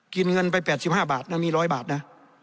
เงินไป๘๕บาทนะมี๑๐๐บาทนะ